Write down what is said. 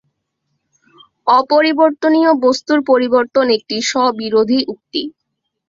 অপরিবর্তনীয় বস্তুর পরিবর্তন একটি স্ববিরোধী উক্তি।